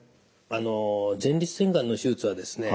あの前立腺がんの手術はですね